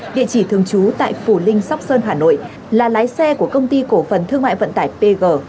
địa chỉ thường trú tại phù linh sóc sơn hà nội là lái xe của công ty cổ phần thương mại vận tải pg